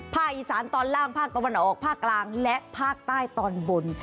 ภาคอีสานตอนล่างภาคตะวันออกภาคกลางและภาคใต้ตอนบน